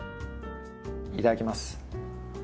いただきます。